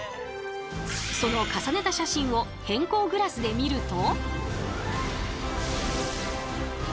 その重ねた写真を偏光グラスで見ると。